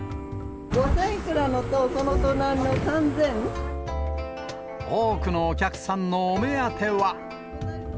５０００いくらのとその隣の多くのお客さんのお目当ては。